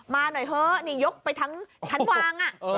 มาหน่อยเถอะนี่ยกไปทั้งชั้นวาง